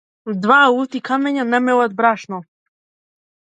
Два лути камења не мелат брашно.